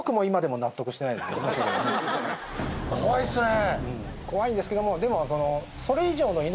怖いですね。